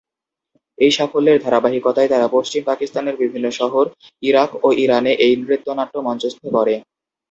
এই সাফল্যের ধারাবাহিকতায় তারা পশ্চিম পাকিস্তানের বিভিন্ন শহর, ইরাক ও ইরানে এই নৃত্যনাট্য মঞ্চস্থ করে।